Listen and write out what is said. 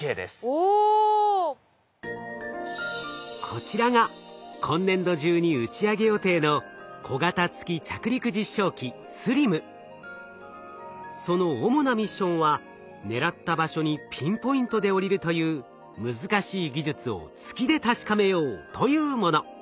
こちらが今年度中に打ち上げ予定のその主なミッションは狙った場所にピンポイントで降りるという難しい技術を月で確かめようというもの。